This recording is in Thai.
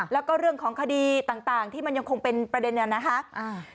แล้วก็เรื่องของคดีต่างที่มันยังคงเป็นประเด็นเนี่ยนะคะ